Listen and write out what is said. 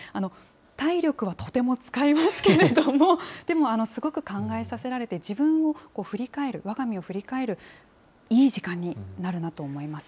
体力はとても使いますけれども、でもすごく考えさせられて、自分を振り返る、わが身を振り返るいい時間になるなと思います。